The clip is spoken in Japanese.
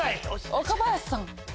若林さん。